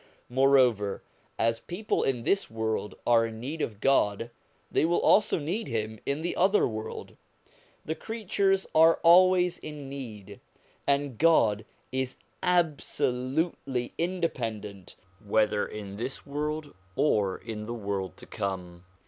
Moreover, as people in this world are in need of God, they will also need Him in the other world. The creatures are always in need, and God is absolutely independent, whether in this world or in the world to come.